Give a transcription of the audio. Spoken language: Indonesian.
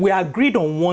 kita bersetuju pada satu hal